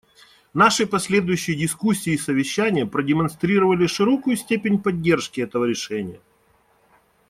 Наши последующие дискуссии и совещания продемонстрировали широкую степень поддержки этого решения.